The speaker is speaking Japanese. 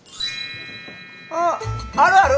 ああるある！